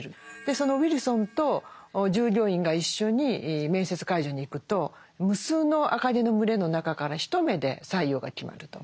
そのウィルソンと従業員が一緒に面接会場に行くと無数の赤毛の群れの中から一目で採用が決まると。